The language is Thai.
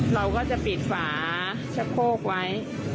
เราก็จะปิดฝาชะโพกไว้